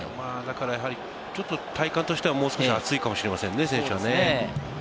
ちょっと体感としては、もう少し暑いかもしれませんね、選手はね。